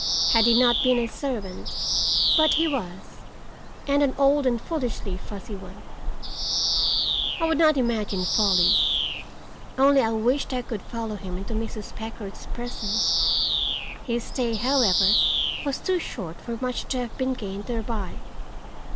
Had he not been a servant but he was, and an old and foolishly fussy one. I would not imagine follies, only I wished I could follow him into Mrs. Packard's presence. His stay, however, was too short for much to have been gained thereby.